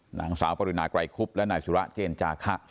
หนังสาวปริณาไกรคุพและหน้าศุระร์เจนจาค่ะ